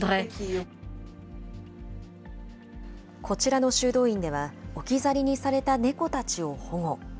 こちらの修道院では、置き去りにされた猫たちを保護。